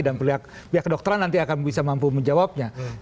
dan pihak dokteran nanti akan bisa mampu menjawabnya